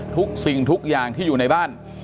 ถึงทุกอย่างที่อยู่ในบ้าน